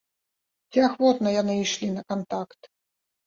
Ці ахвотна яны ішлі на кантакт?